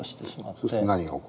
そうすると何が起こるか。